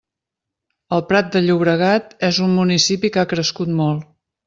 El Prat de Llobregat és un municipi que ha crescut molt.